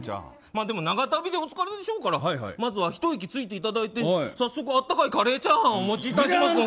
でも、長旅でお疲れでしょうからまずはひと息ついていただいて早速温かいカレーチャーハンをお持ちいたしますので。